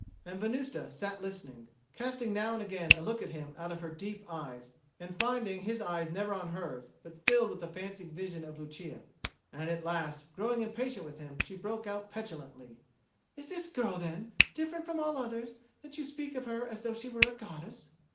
And Venusta sat listening, casting now and again a look at him out of her deep eyes, and finding his eyes never on hers but filled with the fancied vision of Lucia. And at last, growing impatient with him, she broke out petulantly, "Is this girl, then, different from all others, that you speak of her as though she were a goddess?"